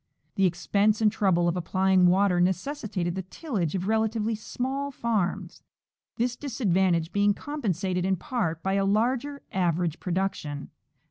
The expense and trouble of applying water necessitated the tillage of relatively small farms, this disadvantage being compensated in part by a larger average production.